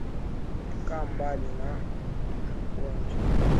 Kaa mbali na mugonjwa